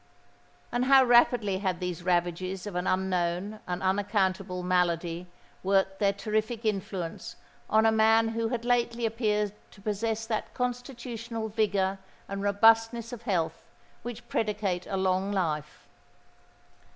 And how rapidly had these ravages of an unknown and unaccountable malady worked their terrific influence on a man who had lately appeared to possess that constitutional vigour and robustness of health which predicate a long life!